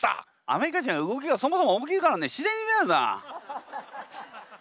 アメリカ人は動きがそもそも大きいから自然に見えますな。